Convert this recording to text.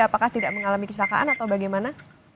fida apakah tidak mengalami kesilakan atau bagaimana